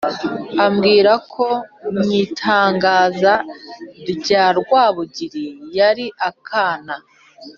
ambwira ko mu itanga rya Rwabugili yari akana